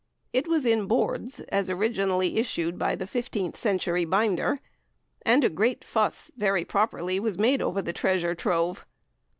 It was in boards, as originally issued by the fifteenth century binder, and a great fuss (very properly) was made over the treasure trove.